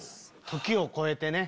時を超えてね。